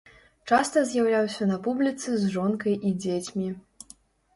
Часта з'яўляўся на публіцы з жонкай і дзецьмі.